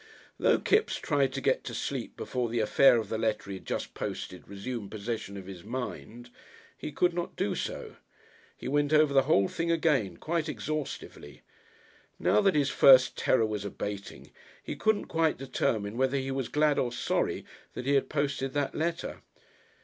Though Kipps tried to get to sleep before the affair of the letter he had just posted resumed possession of his mind he could not do so. He went over the whole thing again, quite exhaustively. Now that his first terror was abating he couldn't quite determine whether he was glad or sorry that he had posted that letter.